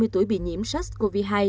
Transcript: hai mươi tuổi bị nhiễm sars cov hai